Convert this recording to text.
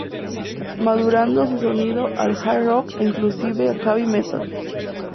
Madurando su sonido al hard rock e inclusive heavy metal.